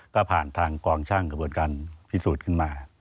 ก็ผ่านทางกองช่างกระบวนการพิสูจน์ขึ้นมา